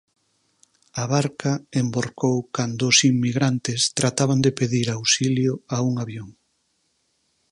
A barca envorcou cando os inmigrantes trataban de pedir auxilio a un avión.